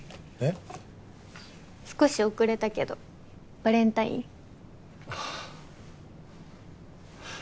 少し遅れたけどバレンタイン。